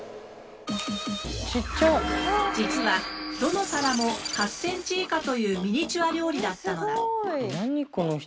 実はどの皿も８センチ以下というミニチュア料理だったのだ。